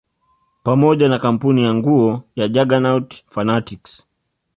Pamoja na kampuni ya nguo ya Juggernaut fanatics